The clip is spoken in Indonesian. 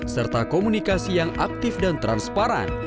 serta komunikasi yang aktif dan transparan